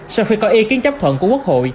sau khi có ý kiến chấp thuận của quốc hội